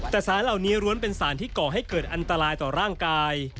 แต่สารเหล่านี้ล้วนเป็นสารที่ก่อให้เกิดอันตรายต่อร่างกาย